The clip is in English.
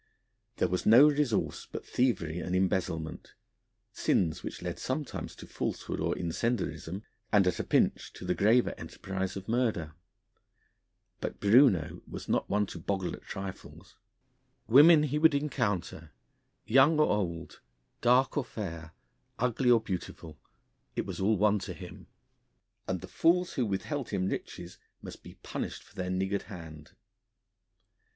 There was no resource but thievery and embezzlement, sins which led sometimes to falsehood or incendiarism, and at a pinch to the graver enterprise of murder. But Bruneau was not one to boggle at trifles. Women he would encounter young or old, dark or fair, ugly or beautiful, it was all one to him and the fools who withheld him riches must be punished for their niggard hand.